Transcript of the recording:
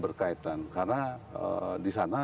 berkaitan karena di sana